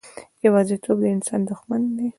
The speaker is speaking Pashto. یوازیتوب د انسان دښمن دی.